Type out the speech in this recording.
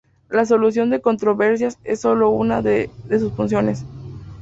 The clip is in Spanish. La solución de controversias es sólo una de sus funciones.